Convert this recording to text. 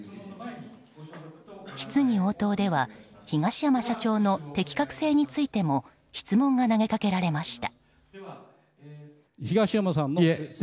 質疑応答では東山社長の適格性についても質問が投げかけられました。